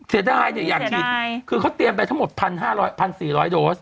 เสียดายเดี๋ยวอย่างฉีดคือเขาเตรียมไปทั้งหมดพันห้าร้อยพันสี่ร้อยโดส